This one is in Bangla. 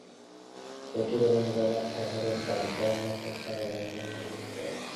এটি রবীন্দ্রনাথ ঠাকুরের "ডাকঘর" নাটক অবলম্বনে নির্মিত।